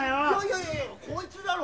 いやいやこいつだろ！